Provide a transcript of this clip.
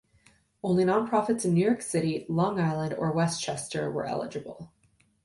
Only nonprofits in New York City, Long Island, or Westchester were eligible.